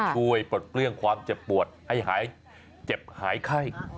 ปลดเปลื้องความเจ็บปวดให้หายเจ็บหายไข้